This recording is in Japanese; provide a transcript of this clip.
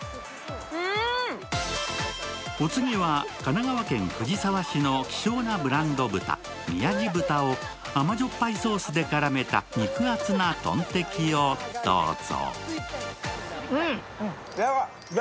お次は神奈川県藤沢市の希少なブランド豚、みやじ豚を甘塩っぱいソースで絡めた肉厚なトンテキをどうぞ。